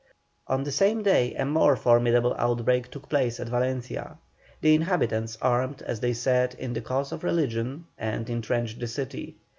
On the same day a more formidable outbreak took place at Valencia. The inhabitants armed, as they said, in the cause of religion, and entrenched the city.